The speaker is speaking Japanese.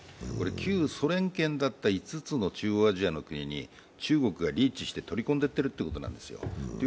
旧ソ連圏だった中央アジアの国に中国がリーチして取り込んでいってるということなんですよ。